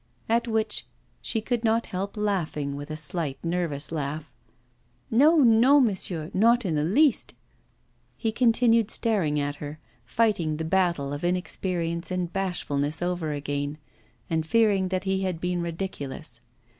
At which she could not help laughing, with a slight, nervous laugh. 'No, no, monsieur, not in the least.' He continued staring at her, fighting the battle of inexperience and bashfulness over again, and fearing that he had been ridiculous.